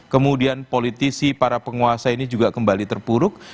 kemudian politisi para penguasa ini juga kembali terpuruk